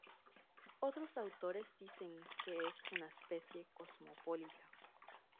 Otros autores dicen que es una especie cosmopolita.